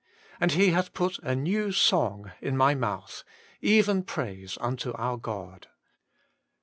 ... And He hath put a new song in my mouth, even praise onto our God.'